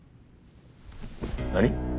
何！？